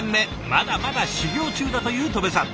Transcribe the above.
まだまだ修業中だという戸部さん。